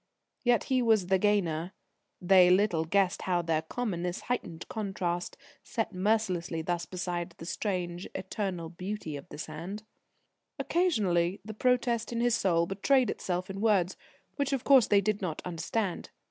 Yet he was the gainer. They little guessed how their commonness heightened contrast, set mercilessly thus beside the strange, eternal beauty of the sand. Occasionally the protest in his soul betrayed itself in words, which of course they did not understand.